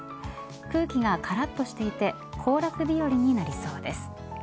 空気がからっとしていて行楽日和になりそうです。